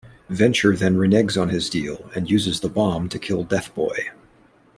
Venture then reneges on his deal and uses the bomb to kill Deathboy.